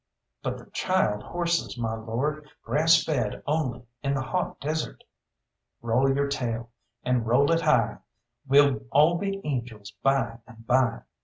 _" "But the child horses, my lord, grass fed only, in the hot desert." "Roll your tail and roll it high, We'll all be angels by and by!"